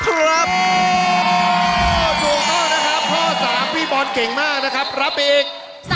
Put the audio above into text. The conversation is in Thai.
ถูกต้องนะครับข้อ๓พี่บอลเก่งมากนะครับรับไปอีก